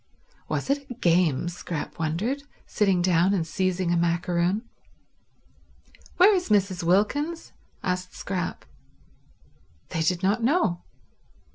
Was it a game? Scrap wondered, sitting down and seizing a macaroon. "Where is Mrs. Wilkins?" asked Scrap. They did not know.